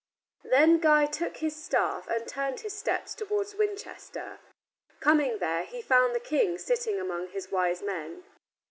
Then Guy took his staff and turned his steps toward Winchester. Coming there, he found the King sitting among his wise men.